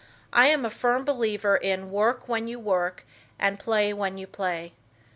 I am a firm believer in "work when you work, and play when you play."